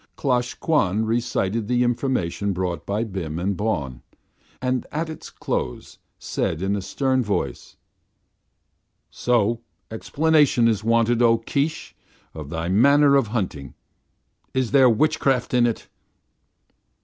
Klosh Kwan recited the information brought by Bim and Bawn, and at its close said in a stern voice: "So explanation is wanted, O Keesh, of thy manner of hunting. Is there witchcraft in it?"